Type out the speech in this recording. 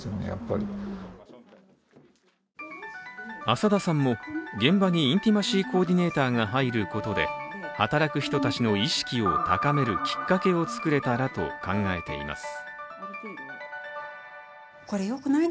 浅田さんも、現場にインティマシー・コーディネーターが入ることで働く人たちの意識を高めるきっかけを作れたらと考えています。